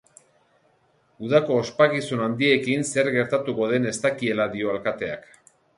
Udako ospakizun handiekin zer gertatuko den ez dakiela dio alkateak.